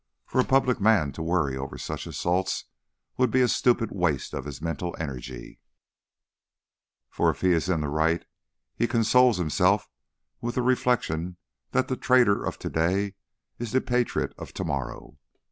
For a public man to worry over such assaults would be a stupid waste of his mental energy; for if he is in the right he consoles himself with the reflection that the traitor of to day is the patriot of to morrow.